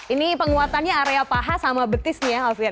ini penguatannya area paha sama betis nih ya alfian